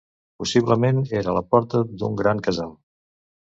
Possiblement era la porta d'un gran casal.